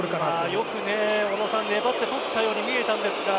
よく粘って取ったように見えたんですが。